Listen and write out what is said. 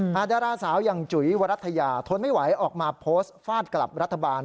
ดาราสาวอย่างจุ๋ยวรัฐยาทนไม่ไหวออกมาโพสต์ฟาดกลับรัฐบาล